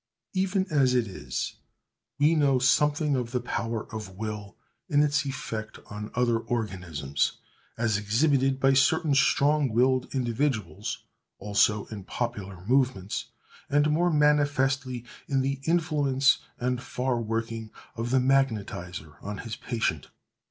Even as it is, we know something of the power of will in its effect on other organisms, as exhibited by certain strong willed individuals; also in popular movements; and more manifestly in the influence and far working of the magnetizer on his patient.